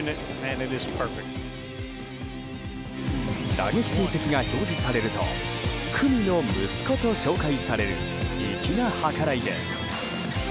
打撃成績が表示されるとクミの息子と紹介される粋な計らいです。